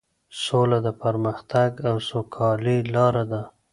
سوله د پرمختګ او سوکالۍ لاره ده.